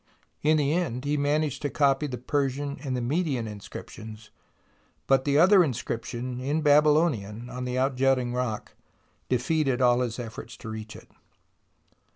In the end he managed to copy the Persian and Median inscriptions, but the other inscription in Babylonian on the outjutting rock defeated all his efforts to reach it.